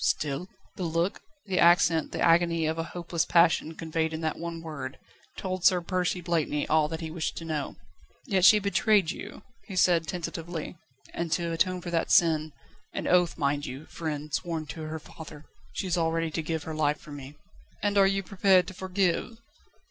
"Still?" The look, the accent, the agony of a hopeless passion conveyed in that one word, told Sir Percy Blakeney all that he wished to know. "Yet she betrayed you," he said tentatively. "And to atone for that sin an oath, mind you, friend, sworn to her father she is already to give her life for me." "And you are prepared to forgive?"